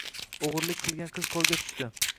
O‘g‘irlik qilgan qiz qo‘lga tushding